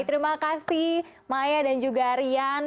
terima kasih maya dan juga rian